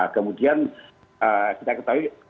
kemudian kita ketahui